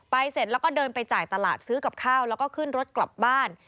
เสร็จแล้วก็เดินไปจ่ายตลาดซื้อกับข้าวแล้วก็ขึ้นรถกลับบ้าน